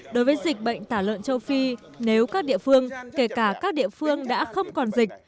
đối với dịch bệnh tả lợn châu phi nếu các địa phương kể cả các địa phương đã không còn dịch